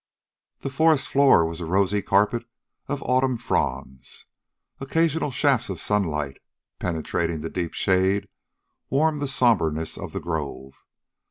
The forest floor was a rosy carpet of autumn fronds. Occasional shafts of sunlight, penetrating the deep shade, warmed the somberness of the grove.